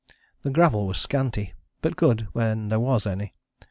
The gravel was scanty, but good when there was any.